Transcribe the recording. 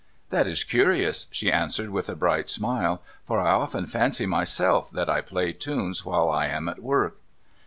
' That is curious,' she answered with a bright smile. ' For I often fancy, myself, that I play tunes while I am at work.'